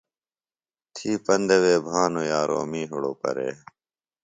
تھی پندہ وے بھانوۡ یارو می ہِڑوۡ پرے۔